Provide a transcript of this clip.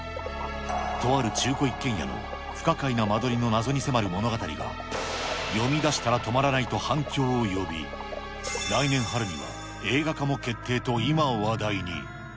とある中古一軒家の不可解な間取りの謎に迫る物語が、読みだしたら止まらないと反響を呼び、来年春に映画化も決定と今、話題に。